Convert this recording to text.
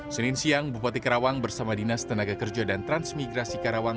senin siang bupati karawang bersama dinas tenaga kerja dan transmigrasi karawang